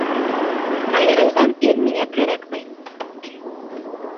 Айырылған ир миңә кәрәкмәй.